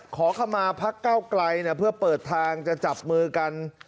ขอเข้ามาพักเก้าไกลเพื่อเปิดทางจะจับมือกัน